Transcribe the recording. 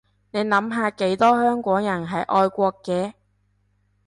你諗下幾多香港人係愛國嘅